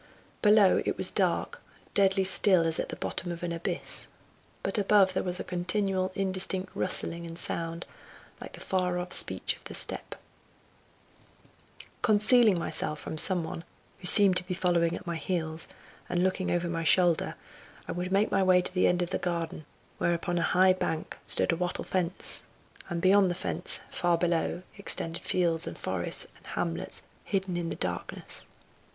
Below it was dark and deadly still as at the bottom of an abyss; but above there was a continual indistinct rustling and sound, like the far off speech of the steppe. Concealing myself from some one, who seemed to be following at my heels, and looking over my shoulder, I would make my way to the end of the garden, where upon a high bank stood a wattle fence, and beyond the fence far below extended fields and forests and hamlets hidden in the darkness.